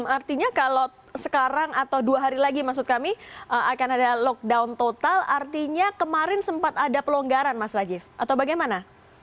artinya kalau sekarang atau dua hari lagi maksud kami akan ada lockdown total artinya kemarin sempat ada pelonggaran mas rajiv atau bagaimana